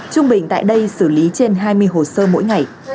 trung bình tại đây xử lý trên hai mươi hồ sơ mỗi ngày